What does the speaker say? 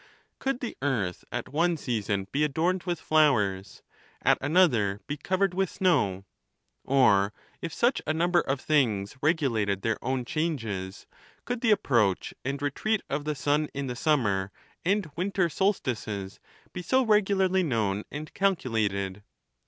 Could the earth at one sea son be adorned with flowers, at another be covered with snow? Or, if such a number of things regulated their own changes, could the approach and retreat of the sun in the summer and winter solstices be so regularly known and calculated